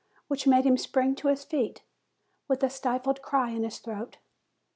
which made him spring to his feet, with a stifled cry in his throat.